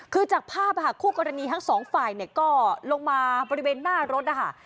คือจากผ้าประหากู้กรณีทั้งสองฝ่ายเนี่ยก็ลงมาบริเวณหน้ารถอ่ะค่ะ